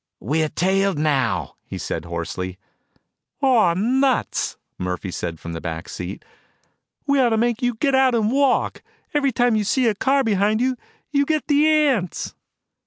"We're tailed now," he said hoarsely. "Aw nuts!" Murphy said from the back seat. "We ought to make you get out and walk. Every time you see a car behind you, you get the ants."